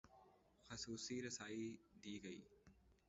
خصوصی رسائی دی گئی